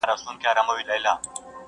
ورځو کډه کړې ده اسمان ګوري کاږه ورته!